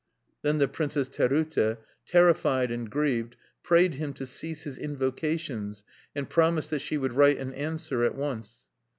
Then the Princess Terute, terrified and grieved, prayed him to cease his invocations, and promised that she would write an answer at once.